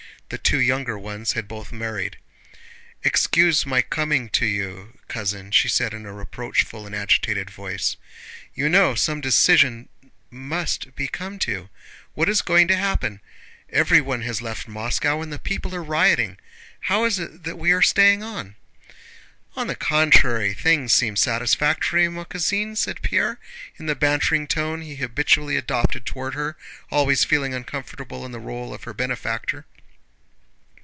The two younger ones had both married. "Excuse my coming to you, cousin," she said in a reproachful and agitated voice. "You know some decision must be come to. What is going to happen? Everyone has left Moscow and the people are rioting. How is it that we are staying on?" "On the contrary, things seem satisfactory, ma cousine," said Pierre in the bantering tone he habitually adopted toward her, always feeling uncomfortable in the role of her benefactor.